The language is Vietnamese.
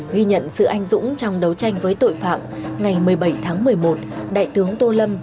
ghi nhận sự anh dũng trong đấu tranh với tội phạm ngày một mươi bảy tháng một mươi một đại tướng tô lâm